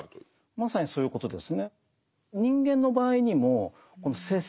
まさにそういうことですね。